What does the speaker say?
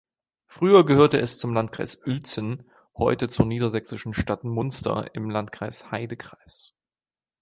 Früher gehörte es zum Landkreis Uelzen, heute zur niedersächsischen Stadt Munster im Landkreis Heidekreis.